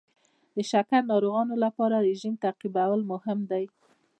د شکر ناروغانو لپاره رژیم تعقیبول مهم دي.